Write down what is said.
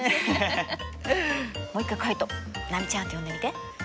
もう一回カイト「波ちゃん」って呼んでみて。